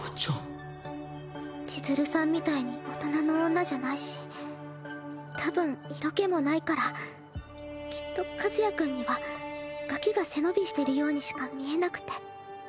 千鶴さんみたいに大人の女じゃないしたぶん色気もないからきっと和也君にはガキが背伸びしてるようにしか見えなくて。